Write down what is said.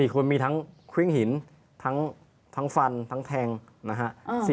๔คนมีทั้งควิ่งหินทั้งฟันทั้งแทงนะครับ